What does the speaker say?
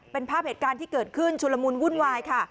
เป็นภาพเหตุการณ์ที่เกิดขึ้นชุลมุนวุ่นวายค่ะ